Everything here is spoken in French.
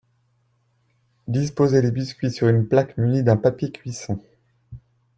Disposez les biscuits sur une plaque munie d’un papier cuisson